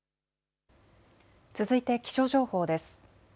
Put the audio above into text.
続いて気象情報です。